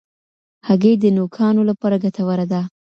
هګۍ د نوکانو لپاره ګټوره ده.